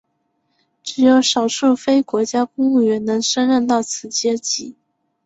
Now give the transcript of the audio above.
只有少数非国家公务员能升任到此阶级。